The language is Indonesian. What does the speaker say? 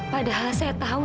padahal saya tahu